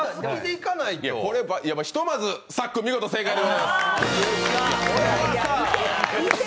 ひとまず、さっくん、見事、正解でございます。